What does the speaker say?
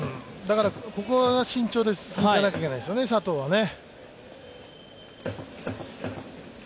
ここは慎重です、打たなきゃいけないですよね、佐藤はね。